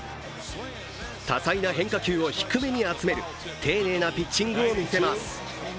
多彩な変化球を低めに集める丁寧なピッチングを見せます。